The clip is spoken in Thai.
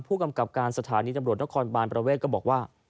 ผู้กำกับการสถานีตำรวจนครบานประเวทก็บอกว่า